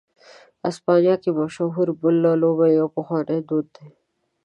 اسپانیا کې مشهوره "بل" لوبه یو پخوانی دود دی.